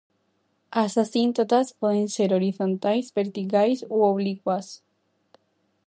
As asíntotas poden ser horizontais, verticais ou oblicuas.